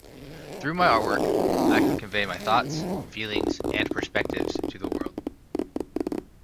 Through my artwork, I can convey my thoughts, feelings, and perspectives to the world.